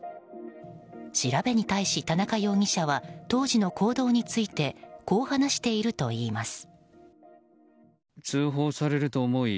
調べに対し、田中容疑者は当時の行動についてこう話しているといいます。